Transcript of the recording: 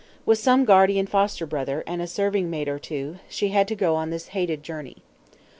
With some guardian foster brother, and a serving maid or two, she had to go on this hated journey.